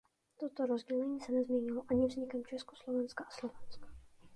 Toto rozdělení se nezměnilo ani vznikem Československa a Slovenska.